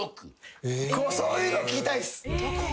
そういうの聞きたいっす。